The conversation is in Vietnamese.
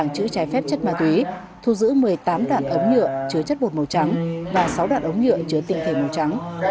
chứa chất bột màu trắng và sáu đoạn ống nhựa chứa tình thể màu trắng